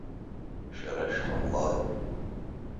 Шәара шәҟамлароуп!